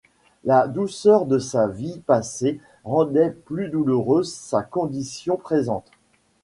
La douceur de sa vie passée rendait plus douloureuse sa condition présente.